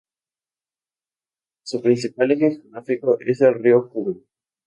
Su principal eje geográfico es el río Kubán.